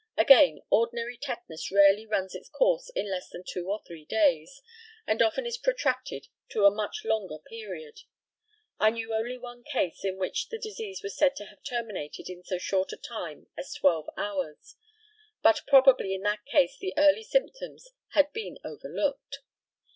Again, ordinary tetanus rarely runs its course in less than two or three days, and often is protracted to a much longer period. I knew one case only in which the disease was said to have terminated in so short a time as 12 hours; but probably in that case the early symptoms had been overlooked.